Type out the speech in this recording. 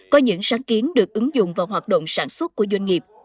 có những sáng kiến được ứng dụng vào hoạt động sản xuất của doanh nghiệp